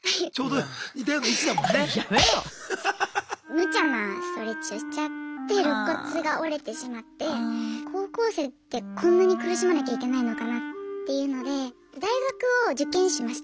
むちゃなストレッチをしちゃってろっ骨が折れてしまって高校生ってこんなに苦しまなきゃいけないのかなっていうので大学を受験しました。